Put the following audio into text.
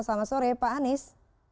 selamat sore pak anies